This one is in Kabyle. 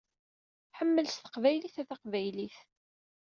Ḥemmel s teqbaylit a taqbaylit!